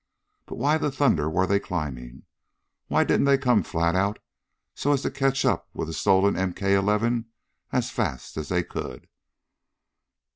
But why the thunder were they climbing? Why didn't they come flat out so as to catch up with the stolen MK 11 as fast as they could?